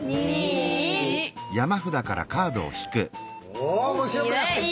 お面白くなってきた！